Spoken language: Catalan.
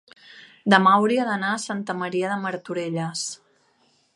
demà hauria d'anar a Santa Maria de Martorelles.